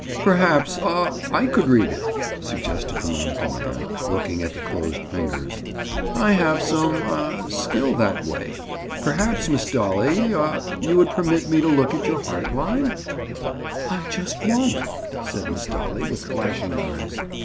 "Perhaps—aw!—I could read it," suggested the monocle man, looking at the closed fingers. "I have some—aw!—skill that way. Perhaps, Miss Dolly—aw!—you would permit me to look at your heart line?" "I just won't," said Miss Dolly, with flashing eyes.